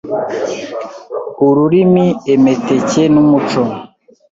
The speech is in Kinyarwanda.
ururimi, emeteke n’umuco.